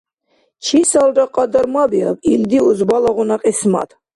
Чисалра кьадармабиаб илди узбалагъуна кьисмат.